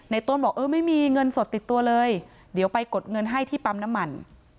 ต้นบอกเออไม่มีเงินสดติดตัวเลยเดี๋ยวไปกดเงินให้ที่ปั๊มน้ำมัน